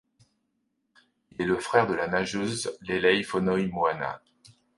Il est le frère de la nageuse Lelei Fonoimoana.